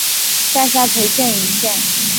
下辖涪城县一县。